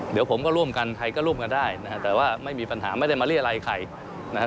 เดี๋ยวผมก็ร่วมกันใครก็ร่วมกันได้นะฮะแต่ว่าไม่มีปัญหาไม่ได้มาเรียรัยใครนะครับ